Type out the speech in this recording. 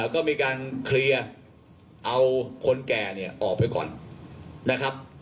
ก็มีการเคลียร์เอาคนแก่เนี่ยออกไปก่อนนะครับ